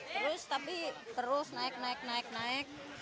terus tapi terus naik naik naik naik naik